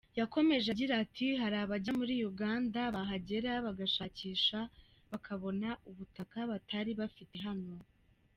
Yakomeje agira ati “Hari abajya muri Uganda, bahagera bagashakisha bakabona ubutaka batari bafite hano.